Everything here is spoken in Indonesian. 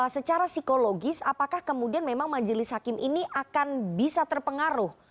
secara psikologis apakah kemudian memang majelis hakim ini akan bisa terpengaruh